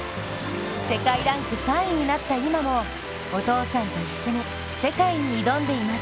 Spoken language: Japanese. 世界ランク３位になった今もお父さんと一緒に、世界に挑んでいます。